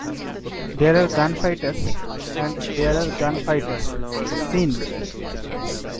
There are gun fighters and there are gun fighters, seen?